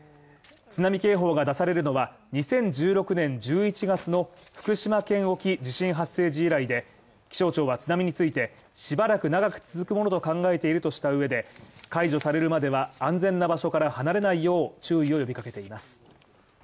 津波警報が出されるのは、２０１６年１１月の福島県沖地震発生時以来で、気象庁は津波についてしばらく長く続くものと考えているとした上で解除されるまでは、安全な場所から離れないよう注意を呼びかけています。